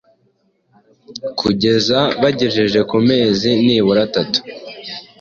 kugeza bagejeje ku mezi nibura atatu